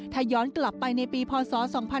ถ้าย้อนกลับไปในปีพศ๒๕๖๒